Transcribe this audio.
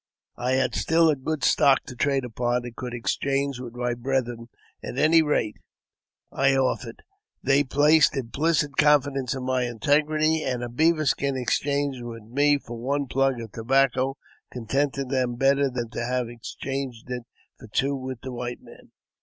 I had still a good stock to trade upon, and could exchange with my brethren at any rate I offered. They JAMES P. BECKWOUBTH. 157 placed implicit confidence in my integrity, and a beaver skin exchanged with me for one plug of tobacco contented them better than to have exchanged it for two with the white man.